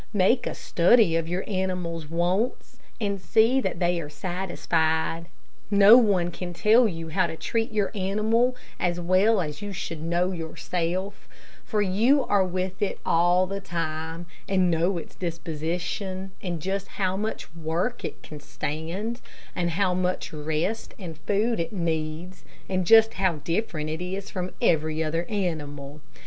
Make a study of your animals' wants, and see that they are satisfied. No one can tell you how to treat your animal as well as you should know yourself, for you are with it all the time, and know its disposition, and just how much work it can stand, and how much rest and food it needs, and just how it is different from every other animal.